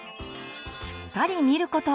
しっかり見ること。